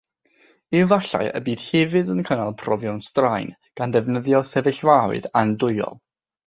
Efallai y bydd hefyd yn cynnal profion straen, gan ddefnyddio sefyllfaoedd andwyol.